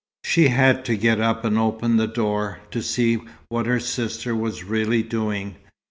She had to get up and open the door, to see what her sister was really doing.